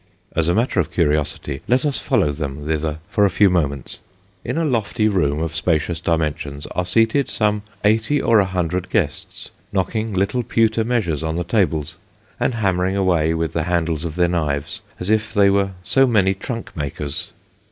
As a matter of curiosity let us follow them thither for a few moments. In a lofty room of spacious dimensions, are seated some eighty or a hundred guests knocking little pewter measures on the tables, and hammering away, with the handles of their knives, as if they were so many trunk makers.